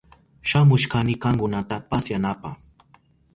Shamushkani kankunata pasyanapa.